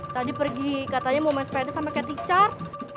tadi pergi katanya mau main spetis sama cathy char